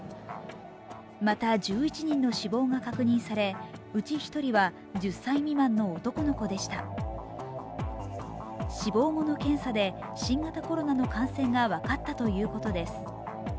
また１１人の死亡が確認されうち１人は１０歳未満の男の子でした死亡後の検査で、新型コロナの感染が分かったということです。